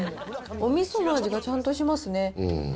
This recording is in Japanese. お味噌の味がちゃんとしますね。